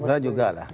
tidak juga lah